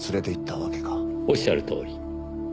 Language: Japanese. おっしゃるとおり。